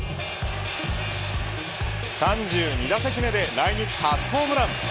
３２打席目で来日初ホームラン。